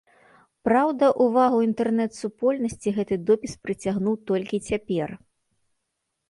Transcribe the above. Праўда, увагу інтэрнэт-супольнасці гэты допіс прыцягнуў толькі цяпер.